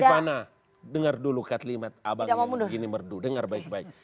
rifana dengar dulu kat limet abangnya begini merdu dengar baik baik